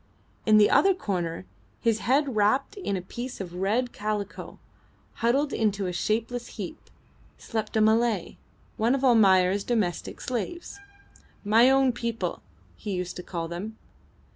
In the other corner, his head wrapped in a piece of red calico, huddled into a shapeless heap, slept a Malay, one of Almayer's domestic slaves "my own people," he used to call them.